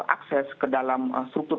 akses ke dalam struktur